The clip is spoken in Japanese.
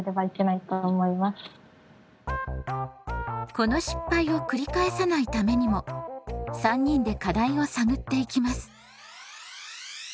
この失敗を繰り返さないためにも３人で課題を探っていきます。